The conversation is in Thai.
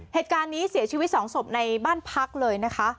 เหตุการณ์นี้เสียชีวิตสองศพในบ้านพักเลยนะคะ